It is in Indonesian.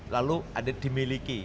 lalu ada dimiliki